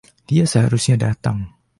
Dia seharusnya datang.